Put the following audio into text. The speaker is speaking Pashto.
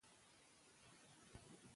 آیا پښتو ژبه ستاسو په کور کې ویل کېږي؟